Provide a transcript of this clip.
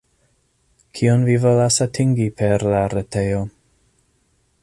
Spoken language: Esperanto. Kion vi volas atingi per la retejo?